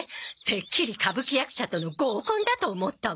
てっきり歌舞伎役者との合コンだと思ったわよ。